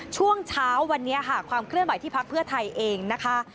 ช่วงเช้าวันนี้ค่ะความเคลื่อนไหวที่พักเพื่อไทยเองนะคะ